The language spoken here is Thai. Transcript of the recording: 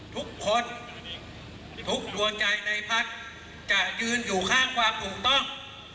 ทุกคนทุกดวงใจในพักจะยืนอยู่ข้างความถูกต้อง